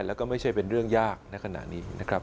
แล้วก็ไม่ใช่เป็นเรื่องยากในขณะนี้นะครับ